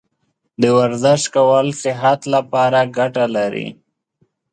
د ورزش کول صحت لپاره ګټه لري.